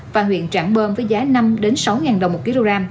và huyện trạng bơm với giá năm sáu ngàn đồng một kg